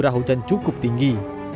hujan cukup tinggi